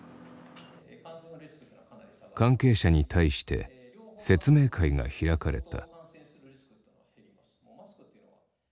関係者に対して説明会が開かれた。